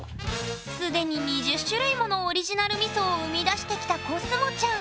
既に２０種類ものオリジナルみそを生み出してきたこすもちゃん。